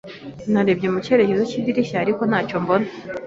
Narebye mu cyerekezo cy'idirishya, ariko ntacyo mbona.